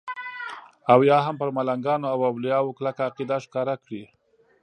او یا هم پر ملنګانو او اولیاو کلکه عقیده ښکاره کړي.